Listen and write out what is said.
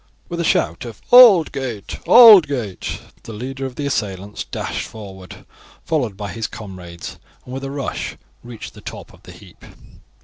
With a shout of "Aldgate! Aldgate!" the leader of the assailants dashed forward, followed by his comrades, and with a rush reached the top of the heap.